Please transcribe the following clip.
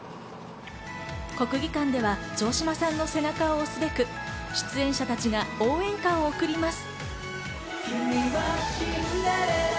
国技館では城島さんの背中を押すべく出演者たちが応援歌を送ります。